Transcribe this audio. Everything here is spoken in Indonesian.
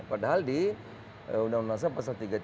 padahal di undang undang saya pasal tiga puluh tiga